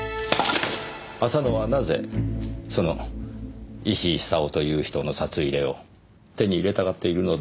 浅野はなぜその石井久雄という人の札入れを手に入れたがっているのでしょう。